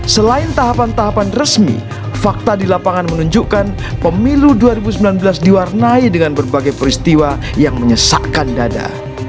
selain tahapan tahapan resmi fakta di lapangan menunjukkan pemilu dua ribu sembilan belas diwarnai dengan berbagai peristiwa yang menyesakkan dada